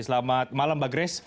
selamat malam mbak grace